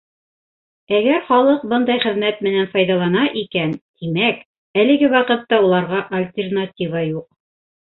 Әгәр халыҡ бындай хеҙмәт менән файҙалана икән, тимәк, әлеге ваҡытта уларға альтернатива юҡ.